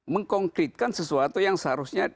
mengkonkritkan sesuatu yang seharusnya